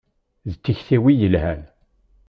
D tikti-iw i yelhan.